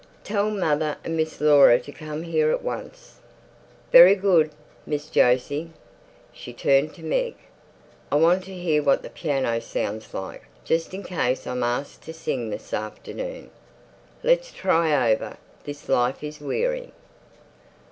"Tell mother and Miss Laura to come here at once." "Very good, Miss Jose." She turned to Meg. "I want to hear what the piano sounds like, just in case I'm asked to sing this afternoon. Let's try over 'This life is Weary.